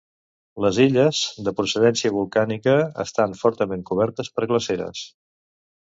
Les illes, de procedència volcànica, estan fortament cobertes per glaceres.